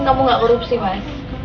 kamu gak korupsi mas